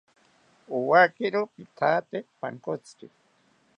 Owakiro pithate pankotziki